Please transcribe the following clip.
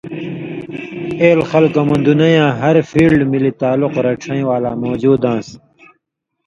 اېل خلکؤں مہ دُنئ یاں ہر فیلڈ مِلی تعلق رڇَھیں ولا مؤجُود آن٘س